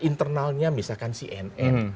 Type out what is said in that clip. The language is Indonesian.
internalnya misalkan cnn